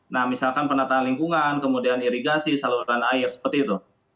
nah misalkan penataan lingkungan kemudian irigasi saluran air seperti itu